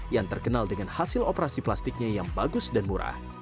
yang terkenal dengan hasil operasi plastiknya yang bagus dan murah